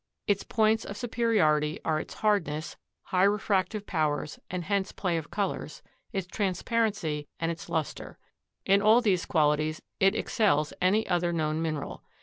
Its points of superiority are its hardness, high refractive powers and hence play of colors, its transparency and its luster. In all these qualities it excels any other known mineral.